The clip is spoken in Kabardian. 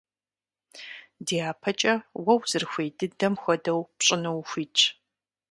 ДяпэкӀэ, уэ узэрыхуей дыдэм хуэдэу пщӀыну ухуитщ.